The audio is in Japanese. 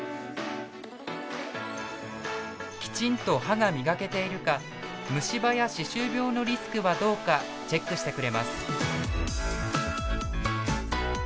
きちんと歯が磨けているか虫歯や歯周病のリスクはどうかチェックしてくれます。